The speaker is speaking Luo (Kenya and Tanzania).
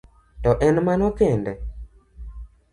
To en mano kende?